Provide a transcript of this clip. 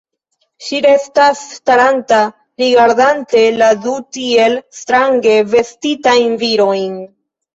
Ŝi restas staranta, rigardante la du tiel strange vestitajn virojn.